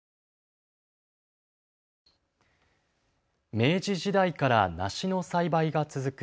明治時代から梨の栽培が続く